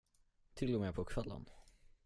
Till och med på kvällen.